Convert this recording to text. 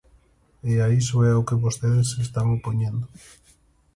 E a iso é ao que vostedes se están opoñendo.